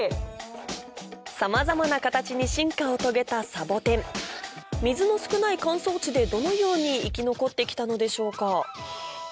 さまざまな形に進化を遂げたサボテン水も少ない乾燥地でどのように生き残ってきたのでしょうか？